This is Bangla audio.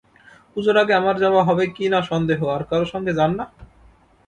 পুজোর আগে আমার যাওয়া হবে কি না সন্দেহ, আর কারো সঙ্গে যান না?